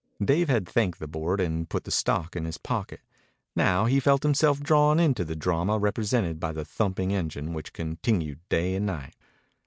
Dave had thanked the board and put the stock in his pocket. Now he felt himself drawn into the drama represented by the thumping engine which continued day and night.